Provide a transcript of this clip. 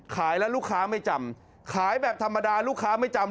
ขายแล้วลูกค้าไม่จำขายแบบธรรมดาลูกค้าไม่จำ